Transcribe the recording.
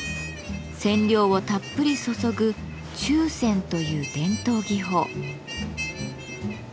染料をたっぷり注ぐ「注染」という伝統技法。